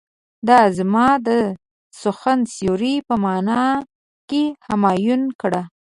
دا زما د سخن سيوری په معنی کې همایون کړه.